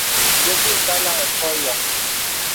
Ndə mə kà laŋì pɔ̄ɔ̄ yɔŋ.